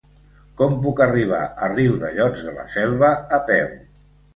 Com puc arribar a Riudellots de la Selva a peu?